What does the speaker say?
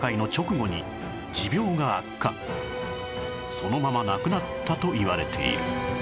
そのまま亡くなったといわれている